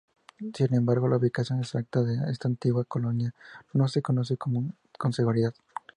Sin embargo, la ubicación exacta de esta antigua colonia no se conoce con seguridad.